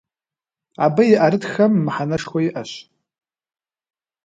Абы и ӏэрытххэм мыхьэнэшхуэ иӏэщ.